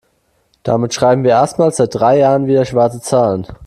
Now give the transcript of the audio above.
Damit schreiben wir erstmals seit drei Jahren wieder schwarze Zahlen.